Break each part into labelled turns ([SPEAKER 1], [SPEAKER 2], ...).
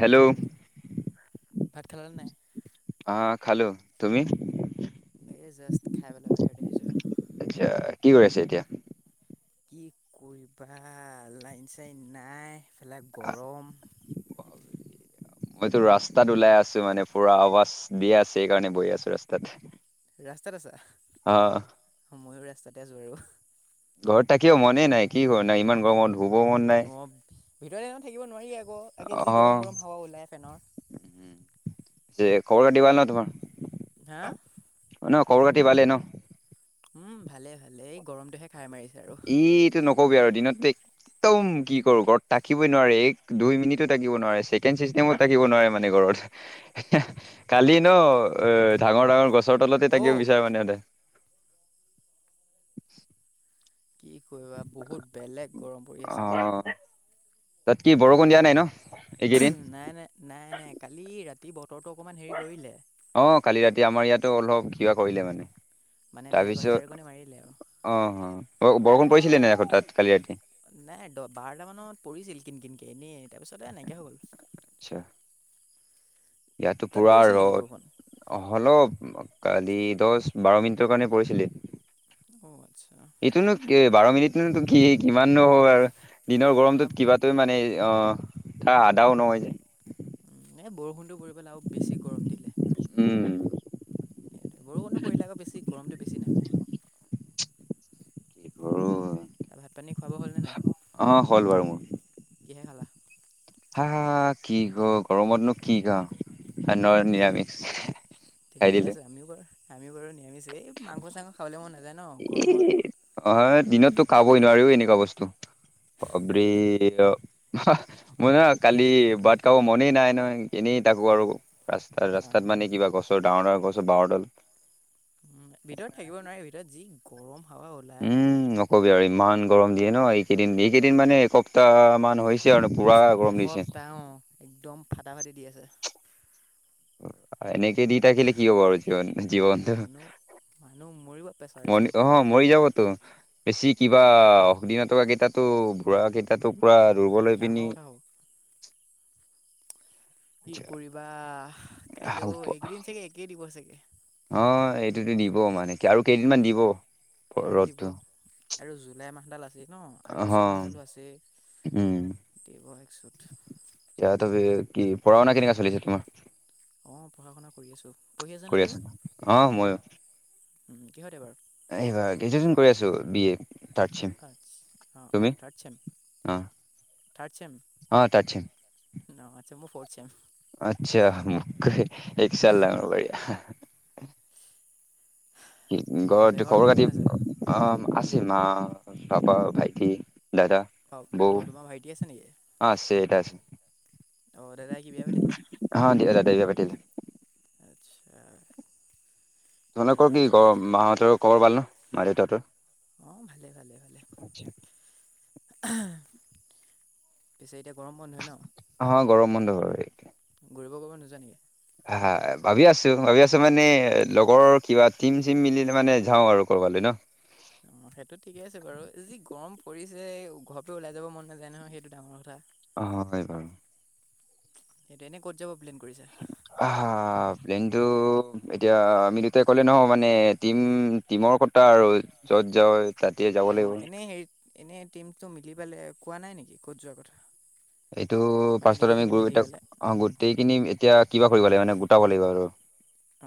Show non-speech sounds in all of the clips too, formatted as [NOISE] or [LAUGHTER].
[SPEAKER 1] Hello
[SPEAKER 2] ভাত খালা নে নাই?
[SPEAKER 1] আঁ খালো, তুমি?
[SPEAKER 2] এ জাষ্ট খাই পেলাই বাহিৰত আহিছো।
[SPEAKER 1] আৎচ্ছা কি কৰি আছে এতিয়া?
[SPEAKER 2] কি কৰিবা? লাইন চাইন নাই এফালে গৰম।
[SPEAKER 1] [UNINTELLIGIBLE] মইটো ৰাস্তাত ওলাই আছো মানে পুৰা আৱাজ দি আছে সেই কাৰণে বহি আছো ৰাস্তাত।
[SPEAKER 2] ৰাস্তাত আছা।
[SPEAKER 1] অঁ'
[SPEAKER 2] মইও ৰাস্তাতে আছো আৰু।
[SPEAKER 1] ঘৰত থাকিব মনেই নাই কি কৰোনো ইমান গৰমত শুব মন নাই।
[SPEAKER 2] অঁ ভিতৰত এনে থাকিব নোৱাৰি আক তাকে
[SPEAKER 1] অ
[SPEAKER 2] যি গৰম গৰম হাৱা ওলায় ফেনৰ।
[SPEAKER 1] যে খবৰ খাতি ভাল ন
[SPEAKER 2] হা?
[SPEAKER 1] তোমাৰ? অ ন খবৰ খাতি ভালেই ন।
[SPEAKER 2] উম' ভালে ভালে এই গৰমটোহে খাই মাৰিছে। আৰু।
[SPEAKER 1] ইটো নকবি আৰু দিনততেই- একদম কি কৰোঁ ঘৰত থাকিবই নোৱাৰে এক দুই মিনিটো থাকিব নোৱাৰে, ছেকেণ্ড চিষ্টেমো থাকিব নোৱাৰে মানে ঘৰত। কালি ন এ ডাঙৰ ডাঙৰ গছৰ তলতে
[SPEAKER 2] অঔ
[SPEAKER 1] থাকিব বিচাৰে মানে সিহঁতে।
[SPEAKER 2] কি কৰিবা বহুত বেলেগ গৰম পৰি আছে।
[SPEAKER 1] অঁ' তাত কি বৰষুণ দিয়া নাই ন? এইকেইদিন
[SPEAKER 2] নাই নাই নাই নাই, কালি ৰাতি বতৰটো অকমান হেৰি কৰিলে।
[SPEAKER 1] অ‍ঁ কালি ৰাতি আমাৰ ইয়াতো অলপ কিবা কৰিলে মানে।
[SPEAKER 2] মানে ঢেৰেকনি
[SPEAKER 1] তাৰপিছত
[SPEAKER 2] চেৰেকনি মাৰিলে আৰু।
[SPEAKER 1] অঁহ অ বৰষুণ
[SPEAKER 2] এনেই
[SPEAKER 1] পৰিছিলে
[SPEAKER 2] ইমান
[SPEAKER 1] নে নাই আকৌ তাত কালি ৰাতি?
[SPEAKER 2] নাই দ বাৰটা মানত পৰিছিল কিন কিনকে এনেই তাৰপিছত এ নাইকিয়া হৈ গ'ল।
[SPEAKER 1] আচ্ছা ইয়াতো
[SPEAKER 2] তাত
[SPEAKER 1] পুৰা
[SPEAKER 2] পৰিছিল নেকি
[SPEAKER 1] ৰদ।
[SPEAKER 2] বৰষুণ?
[SPEAKER 1] অঁ হলও কালি দহ বাৰ মিনিটৰ কাৰণে পৰিছিলে।
[SPEAKER 2] অ' আৎচ্ছা।
[SPEAKER 1] এইটোনো কি বাৰ মিনিটনো ইটো কি কিমান নো হৱ আৰু দিনৰ
[SPEAKER 2] হা
[SPEAKER 1] গৰমটোত কিবা- টোৱে মানে অঁহ তাৰ আধাও নহয় যে।
[SPEAKER 2] উম'এ বৰষুণটো পৰি পেলাই আৰু বেছি গৰম দিলে।
[SPEAKER 1] উম
[SPEAKER 2] এইটোৱে বৰষুণ পৰিলে আকৌ বেছি গৰমটো বেছি নামে।
[SPEAKER 1] কৰো
[SPEAKER 2] ভাত পানী খোৱা বোৱা হ'ল নে নাই?
[SPEAKER 1] অ হ'ল বাৰু মোৰ
[SPEAKER 2] কিহে খালা?
[SPEAKER 1] হা হা কি কৰ গৰমতনো কি খাম নিৰামিষ। খাই
[SPEAKER 2] ঠিকে
[SPEAKER 1] দিলে
[SPEAKER 2] আছে আমিও বাৰু আমিও বাৰু নিৰামিষে, এই মাংস চাংস খাবলে মন নাযায় ন?
[SPEAKER 1] এ
[SPEAKER 2] গৰমত
[SPEAKER 1] অহ দিনততো কাও ক'বই নোৱাৰোও এনেকুৱা বস্তুৰ বাপ্ৰেই [UNINTELLIGIBLE] মই নহয় কালি
[SPEAKER 2] সেই
[SPEAKER 1] ভাত খাব মনেই নাই নহয় এনেই থাকো আৰু ৰাস্তা
[SPEAKER 2] অ
[SPEAKER 1] ৰাস্তাত মানে কিবা গছ ডাঙৰ ডাঙৰ গছৰ বাৰডাল
[SPEAKER 2] উম ভিতৰত থাকিব নোৱাৰি ভিতৰত যি গৰম হাৱা ওলায় আহে।
[SPEAKER 1] কবি আৰু ইমান গৰম দিয়ে ন এইকেইদিন এইকেইদিন মানে এসপ্তাহ মান হৈছে কাৰণে পোৰা গৰম দিছে।
[SPEAKER 2] এ অঁ। একদম ফাটা ফাটি দি আছে।
[SPEAKER 1] এনেকে দি থাকিলে কি হ'ব আৰু জীৱন জীৱনটো
[SPEAKER 2] মানুহ মানুহ মৰিব প্ৰেছাৰ ষ্টক হৈ
[SPEAKER 1] অহ
[SPEAKER 2] পেলাই
[SPEAKER 1] মৰি যাবটো বেছি কিবা
[SPEAKER 2] এনেকে
[SPEAKER 1] ঘূণীয়া থকা কেইটাটো বুঢ়াকেইটাটো পূৰা দূৰ্বল হৈ
[SPEAKER 2] ডাঙৰ
[SPEAKER 1] পিনি
[SPEAKER 2] কথা হ'ব কি কৰিবা! কাইলৈও এইকেইদিন চাগে একেই দিব চাগে?
[SPEAKER 1] অঁ এইটোতো দিব মানে কি আৰু কেইদিনমান দিব।
[SPEAKER 2] আৰু দিব
[SPEAKER 1] ৰ'দটো
[SPEAKER 2] আৰু জুলাই মাহডাল আছেই। ন
[SPEAKER 1] অ
[SPEAKER 2] আগষ্ট মাহডালো আছেই
[SPEAKER 1] উম
[SPEAKER 2] দিব একচুত।
[SPEAKER 1] এতিয়া কবি কি পঢ়া শুনা কেনেকুৱা চলিছে তোমাৰ?
[SPEAKER 2] অঁ পঢ়া শুনা কৰি আছোঁ, পঢ়ি আছানে
[SPEAKER 1] কৰি আছা
[SPEAKER 2] তুমি?
[SPEAKER 1] অ ময়ো
[SPEAKER 2] উম কিহত এবাৰ?
[SPEAKER 1] এইবাৰ গ্ৰেজুৱেশ্যন কৰি আছোঁ বি এ। থাৰ্ড চেম,
[SPEAKER 2] আচ্ছা অঁ অঁ
[SPEAKER 1] তুমি?
[SPEAKER 2] থাৰ্ড চেম
[SPEAKER 1] অঁ।
[SPEAKER 2] Third sem?
[SPEAKER 1] অঁ থাৰ্ড চেম।
[SPEAKER 2] ন আচ্ছা মই ফৌৰ্ড চেম।
[SPEAKER 1] আচ্ছা এক চাল ডাঙৰ বঢ়িয়া। কি
[SPEAKER 2] ঠিক আছে
[SPEAKER 1] ঘৰত খবৰ
[SPEAKER 2] কোন
[SPEAKER 1] খাটি
[SPEAKER 2] কোন আছে
[SPEAKER 1] অ আছে মা, পাপা, ভাইটি, দাদা।
[SPEAKER 2] অ
[SPEAKER 1] বৌ
[SPEAKER 2] অ তোমাৰ ভাইটি আছে নেকি?
[SPEAKER 1] অ আছে দেউতা
[SPEAKER 2] অ দাদাই কি বিয়া পাতিলে?
[SPEAKER 1] আছে অ দাদা বিয়া পাতিলে
[SPEAKER 2] আচ্ছা।
[SPEAKER 1] তোমালোকৰ
[SPEAKER 2] ঠিকে
[SPEAKER 1] কি
[SPEAKER 2] আছে
[SPEAKER 1] ঘৰৰ
[SPEAKER 2] ঠিকে আছে
[SPEAKER 1] মাহঁতৰ খবৰ ভাল ন মা দেউতাহঁতৰ?
[SPEAKER 2] অঁ ভালে ভালে ভালে। পিছে এতিয়া গৰম বন্ধ হয় ন?
[SPEAKER 1] অঁ গৰম বন্ধ হয়।
[SPEAKER 2] ঘূৰিব ক'ৰবাত নোযোৱা নেকি?
[SPEAKER 1] হা হা ভাবি আছোঁ ভাবি আছোঁ মানে লগৰ কিবা টিম টিম মিলি মানে যাওঁ আৰু কৰ'বালৈ ন।
[SPEAKER 2] অ সেইটো ঠিকে আছে বাৰু, যি গৰম পৰিছে ঘৰৰ পৰা ওলাই যাব মন নাযায় নহয় সেইটো ডাঙৰ কথা।
[SPEAKER 1] অহ হয় বাৰু।
[SPEAKER 2] সেইটো এনে ক'ত যাব প্লেন কৰিছা?
[SPEAKER 1] আ হা প্লেইনটো এতিয়া আমি দুটাই ক'লে নহয় মানে টিম টিমৰ কথা আৰু যত যায়।
[SPEAKER 2] অঁ এনেই হেৰি এনেই টিমটো মিলি পেলাই কোৱা নাই নেকি ক'ত যোৱাৰ কথা।
[SPEAKER 1] এইটো
[SPEAKER 2] মানে
[SPEAKER 1] পাছত আমি
[SPEAKER 2] গোটেইখিনি
[SPEAKER 1] গৰু
[SPEAKER 2] মিলি
[SPEAKER 1] কেইটাক-
[SPEAKER 2] পেলাই
[SPEAKER 1] অ গোটেইখিনি এতিয়া কিবা কৰিব লাগিব মানে গোটাব লাগিব আৰু,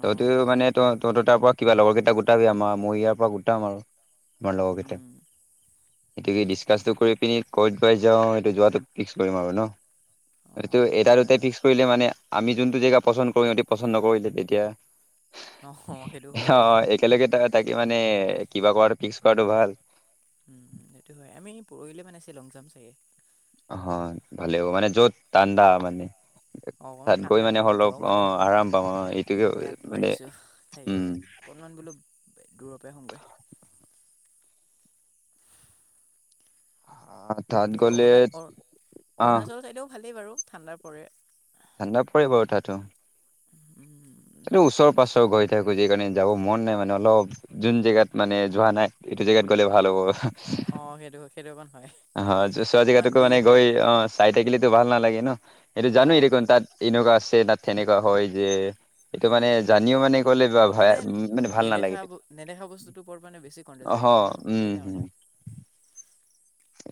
[SPEAKER 2] অ
[SPEAKER 1] ত মানে। ত তহঁতৰ তাৰ পৰা কিবা লগৰ কেইটা গোটাবি আমাৰ মই ইয়াৰ পৰা গোটাম আৰু- আমাৰ লগৰ কেইটা,
[SPEAKER 2] উম
[SPEAKER 1] সেইটোকে
[SPEAKER 2] সেইটো
[SPEAKER 1] ডিচকাচটো কৰি পিনি ক'ত বা যাওঁ এইটো যোৱাটো। ফিক্স কৰিম আৰু ন,
[SPEAKER 2] অ
[SPEAKER 1] এই
[SPEAKER 2] সেইটোৱে ভাল
[SPEAKER 1] এটাতে
[SPEAKER 2] হয়।
[SPEAKER 1] ফিক্স- কৰিলে মানে আমি যোনতটো জেগা পচন্দ কৰো ইহঁতি পচন্দ নকৰিলে তেতিয়া।
[SPEAKER 2] অ সেইটো হয়
[SPEAKER 1] অ
[SPEAKER 2] বাৰু
[SPEAKER 1] একেলগে তাত থাকি মানে কিবা কৰাটো ফিক্স কৰাটো ভাল।
[SPEAKER 2] উম উম সেইটো হয় আমি পৰহিলে মানে শ্বিলং জাম চাগে।
[SPEAKER 1] অহ ভালেই হ'ব মানে য'ত ঠাণ্ডা মানে।
[SPEAKER 2] অ অকণমান
[SPEAKER 1] তাত গৈ
[SPEAKER 2] ঠাণ্ডা ন
[SPEAKER 1] মানে অলপ
[SPEAKER 2] গৰমত
[SPEAKER 1] অ
[SPEAKER 2] ইয়াত
[SPEAKER 1] আৰাম পাম অ
[SPEAKER 2] ইয়াত
[SPEAKER 1] এইটোকে
[SPEAKER 2] ইয়াত
[SPEAKER 1] মানে,
[SPEAKER 2] নোৱাৰিছোঁ
[SPEAKER 1] উম।
[SPEAKER 2] থাকিবলৈ অকণমান বোলো, দূৰৰ পৰা আহোগৈ।
[SPEAKER 1] অহ।
[SPEAKER 2] পিছে অৰুণা অ, অৰুণাচল ছাইডেও ভালেই বাৰু ঠাণ্ডা পৰে।
[SPEAKER 1] ঠাণ্ডা পৰিব তাতো।
[SPEAKER 2] উম।
[SPEAKER 1] এইটো ওচৰ পাচৰ গৈ থাকো যে, সেই কাৰণে যাব মন নাই মানে অলপ। যোন জেগাত মানে যোৱা নাই এইটো জেগাত গ'লে ভাল হ'ব।
[SPEAKER 2] অ'সেইটো'সেইটো' অকণ হয়।
[SPEAKER 1] অ' চোৱা
[SPEAKER 2] অকণমান
[SPEAKER 1] জেগাতোকো
[SPEAKER 2] দূৰ
[SPEAKER 1] মানে
[SPEAKER 2] হওক
[SPEAKER 1] গৈ অ' চাই থাকিলো ভাল নালাগে ন, সেইটো
[SPEAKER 2] অ
[SPEAKER 1] জানোৱেই দেখোন
[SPEAKER 2] সেইটো
[SPEAKER 1] তাত- এনেকুৱা আছে তাত তেনেকুৱা হয় যে- এইটো মানে জানিও
[SPEAKER 2] উম
[SPEAKER 1] মানে কলে বা
[SPEAKER 2] মানে
[SPEAKER 1] [UNINTELLIGIBLE] মানে ভাল
[SPEAKER 2] নেদেখা
[SPEAKER 1] নালাগে।
[SPEAKER 2] ব- নেদেখা বস্তুটোৰ ওপৰত মানে বেছি কনটেষ্টেড
[SPEAKER 1] অহ
[SPEAKER 2] থাকে ন
[SPEAKER 1] উম হম।
[SPEAKER 2] সেইকাৰণে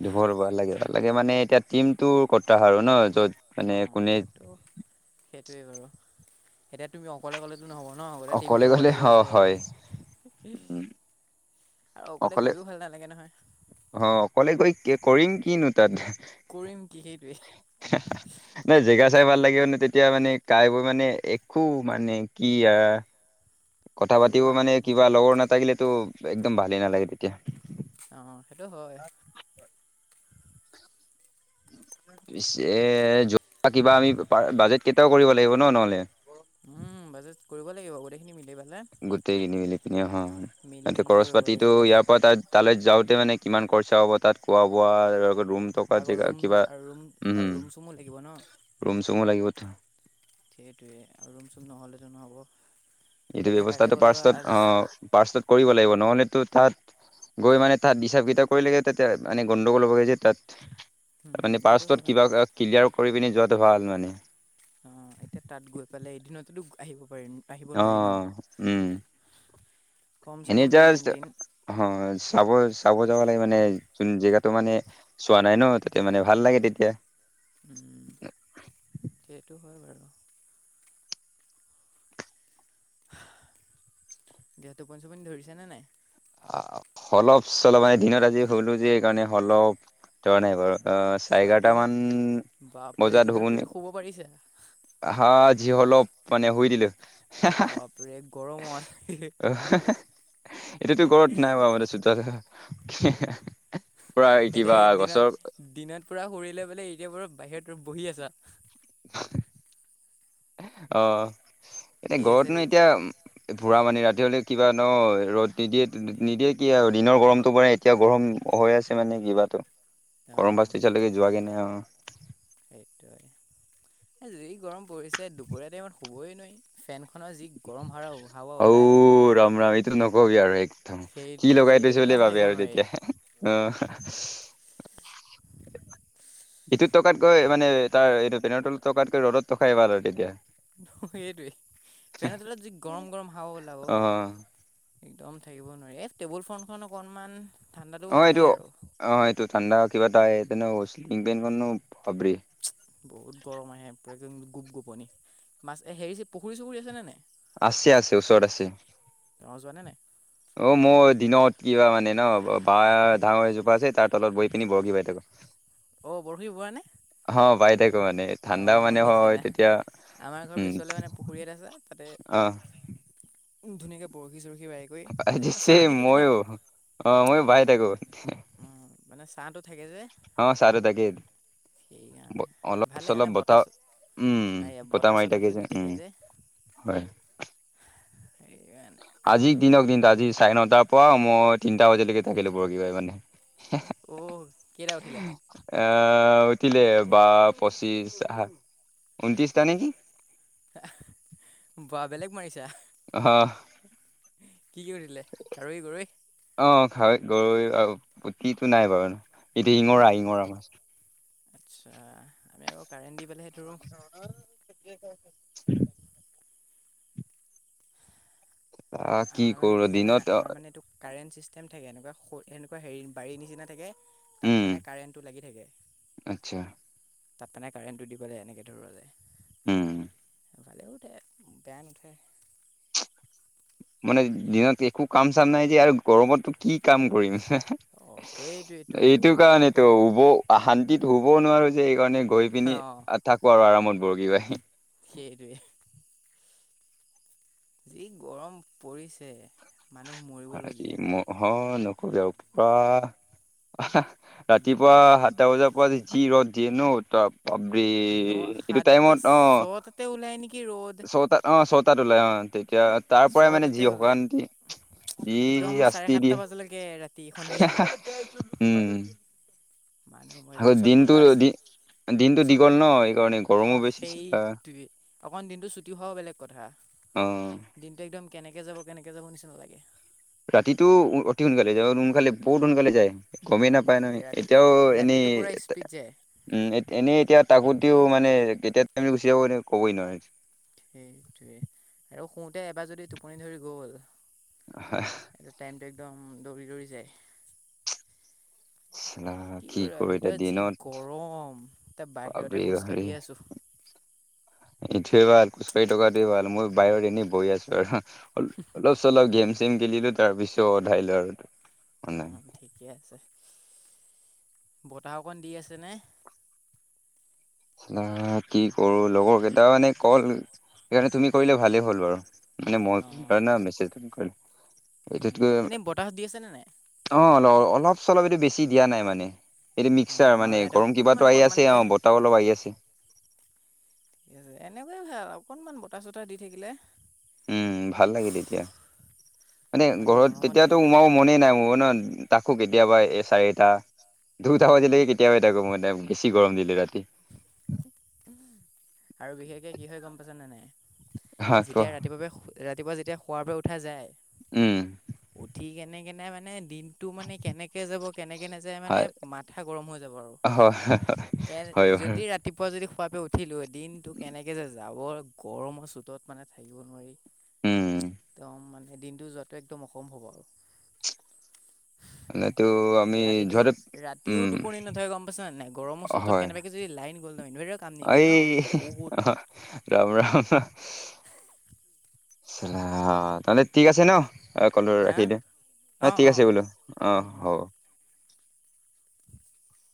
[SPEAKER 1] ধবৰ ভাল লাগে ভাল লাগে মানে এতিয়া টিমটো কত আৰু ন য'ত
[SPEAKER 2] অ
[SPEAKER 1] মানে কোনে-
[SPEAKER 2] সেইটো সেইটোৱে বাৰু, এতিয়া তুমি অকলে ক'লে তো নহ'ব ন গোটেই
[SPEAKER 1] অকলে
[SPEAKER 2] টিমটোৱে ক'ব
[SPEAKER 1] গ'লে
[SPEAKER 2] লাগিব
[SPEAKER 1] অ হয়
[SPEAKER 2] যে।
[SPEAKER 1] উম
[SPEAKER 2] আৰু অকলে গৈও ভাল নালাগে নহয়।
[SPEAKER 1] অ', অকলে গৈ কৰিম কিনো তাত।
[SPEAKER 2] কৰিম কি সেইটোৱে।
[SPEAKER 1] [INAUDIBLE] নাই জেগা চাই ভাল লাগিব নে তেতিয়া মানে কাই বৈ মানে একো মানে কি আৰু- কথা
[SPEAKER 2] একো
[SPEAKER 1] পাতিও
[SPEAKER 2] কাম
[SPEAKER 1] মানে
[SPEAKER 2] নাই।
[SPEAKER 1] কিবা লগৰ নাথাকিলেতো একদম ভালেই নালাগে তেতিয়া।
[SPEAKER 2] অ', সেইটো হয়।
[SPEAKER 1] পিছে যোৱা কিবা আমি বাজেট কেইটায়াও কৰিব লাগিব ন নহলে।
[SPEAKER 2] উম, বাজেত কৰিব লাগিব গোটেইখিনি মিলি পেলায়।
[SPEAKER 1] গোটেই কিনি মেলি পিনি অহ
[SPEAKER 2] কেনে
[SPEAKER 1] খৰছ
[SPEAKER 2] কৰিব
[SPEAKER 1] পাতিটো
[SPEAKER 2] লাগিব
[SPEAKER 1] ইয়াৰ পৰা তাত- তালৈ যাওঁতে মানে কিমান খৰচা হ'ব তাত খোৱা বোৱা ৰুম- থকা
[SPEAKER 2] আগৰ
[SPEAKER 1] জেগা
[SPEAKER 2] ৰুম,
[SPEAKER 1] কিবা
[SPEAKER 2] আৰু ৰুম,
[SPEAKER 1] উম,
[SPEAKER 2] আৰু ৰুম, চুমো লাগিব ন।
[SPEAKER 1] ৰুম চুমো লাগিবতো।
[SPEAKER 2] সেইটোৱে আৰু ৰুম চুম নহ'লেতো নহ'ব।
[SPEAKER 1] এইটো
[SPEAKER 2] এতিয়া থাকাকৈ
[SPEAKER 1] ব্যয়ৱস্থাটো
[SPEAKER 2] গ'লেও
[SPEAKER 1] পাৰ্চত
[SPEAKER 2] আজ
[SPEAKER 1] অ পাৰ্চত কৰিব লাগিব নহ'লে তো তাত- গৈ মানে তাত হিচাপ কিতাপ কৰি লাগে তাতে মানে গণ্ডগোল'বগৈ যে তাত-
[SPEAKER 2] উম
[SPEAKER 1] মানে
[SPEAKER 2] সেইটো
[SPEAKER 1] পাৰষ্টত
[SPEAKER 2] হয়
[SPEAKER 1] কিবা ক্লিয়াৰ কৰি পিনি যোৱাটো ভাল মানে।
[SPEAKER 2] অ', এতিয়া তাত গৈ পেলাই এদিনতেতো আহিব পাৰিম। আহিব নোৱাৰি
[SPEAKER 1] অ' উম,
[SPEAKER 2] ন, কমচে
[SPEAKER 1] এনেই
[SPEAKER 2] কম দুই
[SPEAKER 1] জাষ্ট
[SPEAKER 2] তিন দিন।
[SPEAKER 1] অ', চাব চাব যাব লাগে মানে যোন জেগাতটো মানে- চোৱা নাই ন তাতে মানে ভাল লাগে তেতিয়া।
[SPEAKER 2] উম, সেইটো হয় বাৰু। দিয়া টোপনি চুপনি ধৰিছে নে নাই?
[SPEAKER 1] অলপ -চলপ মানে দিনত আজি হলো যে এইকাৰণে অলপ ধৰা নাই বাৰু। চাৰে
[SPEAKER 2] অ',
[SPEAKER 1] এঘাৰটা মান
[SPEAKER 2] দিনত বাপৰে
[SPEAKER 1] বজাত
[SPEAKER 2] দিনত
[SPEAKER 1] শুনি
[SPEAKER 2] তুমি শুব পাৰিছা?
[SPEAKER 1] হা, আজি অলপ মানে শুই দিলো।
[SPEAKER 2] বাপৰে গৰমত।
[SPEAKER 1] এতিয়াতো ঘৰত নাই বাৰু চোতালত
[SPEAKER 2] এতিয়া দিনত, দিনত পুৰা শুৰিলৈ পেলায় এতিয়া বাৰু বাহিৰত বহি আছা।
[SPEAKER 1] অ',
[SPEAKER 2] ঠিক
[SPEAKER 1] এতিয়া
[SPEAKER 2] আছে দেই
[SPEAKER 1] ঘৰতনো এতিয়া পূৰা মানে ৰাতি হ'লে কিবা ন ৰ'দ দি, দি, নিদিয়ে কি আৰু দিনৰ গৰমটো পৰে। এতিয়া গৰম হৈ আছে মানে কিবাতো
[SPEAKER 2] অ
[SPEAKER 1] গৰম ভাপ তো এতিয়ালৈকে যোৱা গে নাই আৰু।
[SPEAKER 2] সেইটোৱেই। এই যি গৰম পৰিছে দুপৰীয়া টাইমত হুবই নোৱাৰি ফেনখনৰ যি গৰম হাৰা হাৱা
[SPEAKER 1] অঔ
[SPEAKER 2] ওলায়
[SPEAKER 1] ৰাম ৰাম এইটো নকবি আৰু একদম
[SPEAKER 2] সেই
[SPEAKER 1] কি লগাই
[SPEAKER 2] সেইটো
[SPEAKER 1] থৈছো
[SPEAKER 2] একদম
[SPEAKER 1] বুলি
[SPEAKER 2] থাকিব
[SPEAKER 1] ভাবে আৰু
[SPEAKER 2] নোৱাৰি
[SPEAKER 1] তেতিয়া অহ হা হা হা ইটোত থকাতকৈ মানে তাৰ এইটো পেনৰ তলত থকাতকৈ ৰ'দত থকাই ভাল আৰু তেতিয়া
[SPEAKER 2] অ সেইটোৱেই ফেনৰ তলত যি গৰম গৰম হাৱা ওলাব
[SPEAKER 1] অ'
[SPEAKER 2] একদম থাকিব নোৱাৰি এ টেবুল ফেনখন অকনমান -
[SPEAKER 1] অঁ এইটো অঁ এইটো ঠাণ্ডা কিবা এটা তেনে শ্লিপিং ফেনখননো বাপৰে।
[SPEAKER 2] বহুত গৰম আহে পোৰা একদম গোপ গোপনি মাছ হেৰি যে পুখুৰী চুখুৰী আছেনে নাই?
[SPEAKER 1] আছে, আছে, ওচৰত আছে।
[SPEAKER 2] তেওঁ যোৱানে নাই?
[SPEAKER 1] অ', মোৰ দিনত কি হয় মানে ন বাহ ডাঙৰ এজোপা আছে তাৰ তলত বহি পিনি বৰশী বাই থাকো। [INAUDIBLE]
[SPEAKER 2] অঁ বৰশী বোৱা নে?
[SPEAKER 1] অ বাই থাকো মানে
[SPEAKER 2] অ
[SPEAKER 1] ঠাণ্ডাও
[SPEAKER 2] মোৰ
[SPEAKER 1] মানে হয়
[SPEAKER 2] নিচিনা
[SPEAKER 1] তেতিয়া
[SPEAKER 2] আমাৰ ঘৰৰ
[SPEAKER 1] উম
[SPEAKER 2] পিছফালে মানে পুখুৰী এটা আছে তাতে
[SPEAKER 1] অ
[SPEAKER 2] উ ধুনীয়াকে বৰশী চৰখি বাইকৰি পুৰা চাহ
[SPEAKER 1] চেম
[SPEAKER 2] দি থাকে ন
[SPEAKER 1] মইয়ো অ মইয়ো বাই থাকো
[SPEAKER 2] ঊ মানে ছাটো থাকে যে
[SPEAKER 1] অ চাহ দি থাকে
[SPEAKER 2] সেইকাৰণে
[SPEAKER 1] অলপ
[SPEAKER 2] ভাল লাগে
[SPEAKER 1] চলপ
[SPEAKER 2] মানে
[SPEAKER 1] বতাহ উ বতাহ মাৰি থাকে
[SPEAKER 2] চতাহটো
[SPEAKER 1] যে
[SPEAKER 2] দি
[SPEAKER 1] উ হয়
[SPEAKER 2] সেইয়া মানে
[SPEAKER 1] আজিৰ দিনক দিন আজি চাৰে নটাৰ পৰা মই তিনিটা বজালৈকে থাকিলো বৰশী বাই মানে
[SPEAKER 2] অ কেইটা উঠিলে?
[SPEAKER 1] এ উতিলে বা পঁচিশ আহ ঊনত্ৰিশটা নেকি -
[SPEAKER 2] বা বেলেগ মাৰিছা।
[SPEAKER 1] অ
[SPEAKER 2] কি কৰিলে কাৰৈ গৰৈ?
[SPEAKER 1] অ খাই গৰৈ আৰু পুঠিটো নাই বাৰু সেইটো শিঙৰা
[SPEAKER 2] গৰৈ
[SPEAKER 1] শিঙৰা
[SPEAKER 2] আচ্ছা আমি আকৌ কাৰেণ্ট দি পেলাইহে ধৰোঁ
[SPEAKER 1] [UNINTELLIGIBLE] আহ
[SPEAKER 2] আমাৰ মানে
[SPEAKER 1] কৰো
[SPEAKER 2] কি জানা
[SPEAKER 1] দিনত
[SPEAKER 2] আমাৰ
[SPEAKER 1] অ',
[SPEAKER 2] মানে এইটো কাৰেণ্ট ছিষ্টেম থাকে এনেকুৱা এনেকুৱা হেৰি বাৰীৰ নিচিনা থাকে।
[SPEAKER 1] উম,
[SPEAKER 2] তাত মানে কাৰেণ্টটো লাগি থাকে।
[SPEAKER 1] আচ্ছা
[SPEAKER 2] তাত মানে কাৰেণ্টটো দিবলৈ এনেকৈ ধৰা যায়।
[SPEAKER 1] উম
[SPEAKER 2] হ'লেও উঠে বেয়া নুঠে।
[SPEAKER 1] মানে দিনত একো কাম চাম নাই যে আৰু গৰমতো কি কাম কৰিম হে হে
[SPEAKER 2] অ সেই
[SPEAKER 1] এইটো কাৰণেতো শুব অশান্তিত শুবও নোৱাৰো যে এইকাৰণে গৈ পিনি।
[SPEAKER 2] অঁ
[SPEAKER 1] থাকোঁ আৰু আৰামত বৰশী, বায়।
[SPEAKER 2] সেইটোৱে- যি গৰম পৰিছে মানুহ মৰি-
[SPEAKER 1] আজি মহ নকবি আও পোৰা আহ
[SPEAKER 2] উম,
[SPEAKER 1] ৰাতিপুৱা সাত সাত, এটা বজাৰ পৰা যি ৰ'দ দিয়ে ন তাপ বাপৰেই
[SPEAKER 2] ন
[SPEAKER 1] এইটো
[SPEAKER 2] সাতটা
[SPEAKER 1] টাইমত অ
[SPEAKER 2] ছটাতে ওলাই নেকি ৰ'দ
[SPEAKER 1] চটা অ ছটাত ওলাই অ এতিয়া তাৰ পৰাই মানে
[SPEAKER 2] ছটাতে
[SPEAKER 1] যি
[SPEAKER 2] ওলাই
[SPEAKER 1] অকমাণ যি শাস্তি দিয়ে
[SPEAKER 2] শুবলকে ৰাতি সন্ধিয়া
[SPEAKER 1] উম
[SPEAKER 2] মানুহ মৰি
[SPEAKER 1] আকৌ
[SPEAKER 2] যাব ওচৰত
[SPEAKER 1] দিনটো
[SPEAKER 2] কোনোবা
[SPEAKER 1] দি
[SPEAKER 2] আছে।
[SPEAKER 1] দিনটো
[SPEAKER 2] ওচৰত
[SPEAKER 1] দীঘল ন সেইকাৰণে গৰমো
[SPEAKER 2] আহ
[SPEAKER 1] বেছি
[SPEAKER 2] সেইটোৱে অকণ দিনটো ছুটি হোৱাও বেলেগ কথা।
[SPEAKER 1] অ
[SPEAKER 2] দিনটো একদম কেনেকে যাব কেনেকে যাব নিচিনা লাগে।
[SPEAKER 1] ৰাতিটো অতি সোনকালে যায় সোনকালে বহুত সোনকালে যায়। গমেই নাপায় নহয়
[SPEAKER 2] ৰাতি
[SPEAKER 1] এতিয়াও এনেই
[SPEAKER 2] ৰাতিটো পুৰা স্পীড যায়
[SPEAKER 1] উম এনেই এতিয়া তাকোতেও মানে কেতিয়া টাইম গুচি যাব তুমি ক'বই নোৱাৰি।
[SPEAKER 2] সেইটোৱে আৰু শুতে এবাৰ যদি টোপনি ধৰি গ'ল।
[SPEAKER 1] হয়।
[SPEAKER 2] টাইমটো একদম দৌৰি দৌৰি যায়। কি কৰিবা
[SPEAKER 1] কৰো এতিয়া
[SPEAKER 2] ভিতৰত যি
[SPEAKER 1] দিনত
[SPEAKER 2] গৰম ত
[SPEAKER 1] বাপৰে
[SPEAKER 2] বাহিৰতে খোজ কাঢ়িয়ে আছো।
[SPEAKER 1] ইটোৱেই ভাল খোজকাঢ়ি থকাটো ই ভাল মই বাহিৰত এনেই বহি আছো আৰু অলপ চলপ গেম চেম খেলিলো তাৰ পিছত উধাইলো আৰু
[SPEAKER 2] অ
[SPEAKER 1] মানে
[SPEAKER 2] ঠিকে আছে, বতাহ, অকণ দি আছে নে?
[SPEAKER 1] চালা কি কৰো লগৰ কেইটা মানে কল সেইকাৰণে তুমি কৰিলা ভালেই হ'ল বাৰু মানে মই থৰেন ন মেচেজ, কৰিম।
[SPEAKER 2] উ উম এনেই বতাহ দি আছে নে নাই।
[SPEAKER 1] অ অলপ চলপ এইটো বেছি দিয়া নাই মানে। এইটো
[SPEAKER 2] অঁ
[SPEAKER 1] মিক্সাৰ
[SPEAKER 2] আমাৰো
[SPEAKER 1] মানে
[SPEAKER 2] ইয়াতে
[SPEAKER 1] গৰম কিবাতো
[SPEAKER 2] অকণমান
[SPEAKER 1] আহি আছে অ
[SPEAKER 2] অকণমানকৈ
[SPEAKER 1] বতাহও অলপ আহি আছে।
[SPEAKER 2] এনেকোৱা হয় অকনমান বতাহ- চতাহ দি থাকিলে।
[SPEAKER 1] ভাল লাগে তেতিয়া মানে
[SPEAKER 2] ইমান
[SPEAKER 1] ঘৰত
[SPEAKER 2] গৰমৰ
[SPEAKER 1] তেতিয়াতো
[SPEAKER 2] দিনটো
[SPEAKER 1] সোমাব মনেই নাই মোৰ ন। তাকো কেতিয়াবা এই চাৰিটা
[SPEAKER 2] উম
[SPEAKER 1] দুটা
[SPEAKER 2] উম
[SPEAKER 1] বজালৈকে থাকো কেতিয়াবা এ বেছি গৰম দিলে ৰাতি।
[SPEAKER 2] আৰু বিশেষকে কি হয় গম পাইছা নে নাই।
[SPEAKER 1] হা ক
[SPEAKER 2] যেতিয়া ৰাতিপুৱা ৰাতিপুৱা যেতিয়া শোৱাৰ পৰা উঠা যায়।
[SPEAKER 1] উম
[SPEAKER 2] উঠি কেনে কেনে মানে দিন টো মানে কেনেকে যাব কেনেকে নাযায় মানে
[SPEAKER 1] হয়
[SPEAKER 2] মাথা গৰম হৈ যাব আৰু
[SPEAKER 1] হয়
[SPEAKER 2] কে-
[SPEAKER 1] হয় বাৰু
[SPEAKER 2] যদি ৰাতিপুৱা যদি শোৱাৰ পৰা যে উঠিলো দিনটো কেনেকে যে যাব গৰমৰ চোতত মানে থাকিব নোৱাৰি।
[SPEAKER 1] উম
[SPEAKER 2] একদম মানে দিনটো যোৱাতো একদম অসম্ভৱ আৰু
[SPEAKER 1] এনেতো আমি
[SPEAKER 2] ৰাতিটো
[SPEAKER 1] যোৱাটো
[SPEAKER 2] ৰাতিও
[SPEAKER 1] উম
[SPEAKER 2] টোপনি নধৰে গম পাইছা নে নাই গৰমৰ চোতত
[SPEAKER 1] হয়
[SPEAKER 2] তে যদি লাইন গ'ল নহয় ইনভাৰ্টাৰেও, কাম নিদিয়ে
[SPEAKER 1] এই
[SPEAKER 2] ন বহুত
[SPEAKER 1] ৰাম -ৰাম অ তেন্তে ঠিক আছে ন অ কলটো
[SPEAKER 2] হা
[SPEAKER 1] ৰাখি দিয়া এ
[SPEAKER 2] অ
[SPEAKER 1] ঠিক
[SPEAKER 2] অ
[SPEAKER 1] আছে
[SPEAKER 2] হ'ব
[SPEAKER 1] বোলো অঁ
[SPEAKER 2] উম উম
[SPEAKER 1] হ'ব
[SPEAKER 2] [UNINTELLIGIBLE]